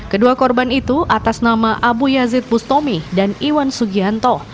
kedua korban itu atas nama abu yazid bustomi dan iwan sugianto